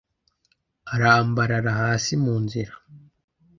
arambarara hasi mu nzira,